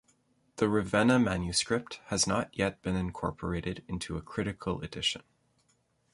The Ravenna manuscript has not yet been incorporated into a critical edition.